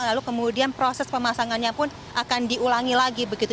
lalu kemudian proses pemasangannya pun akan diulangi lagi begitu